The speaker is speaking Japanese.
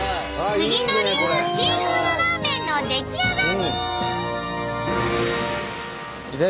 杉野流シーフードラーメンの出来上がり！